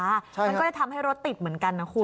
มันก็จะทำให้รถติดเหมือนกันนะคุณ